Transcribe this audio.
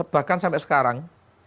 bahkan sampai sekarang